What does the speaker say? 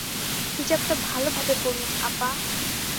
হিজাবটা ভালোভাবে পড়ুন, আপা।